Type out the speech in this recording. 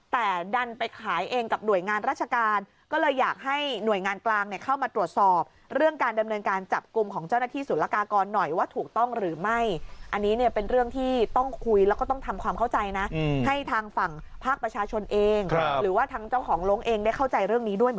แต่ดันไปขายเองกับหน่วยงานราชกาล